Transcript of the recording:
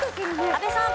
阿部さん。